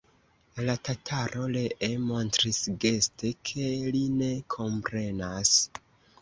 La tataro ree montris geste, ke li ne komprenas.